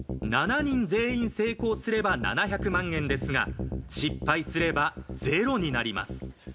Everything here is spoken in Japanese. ７人全員成功すれば７００万円ですが失敗すればゼロになります。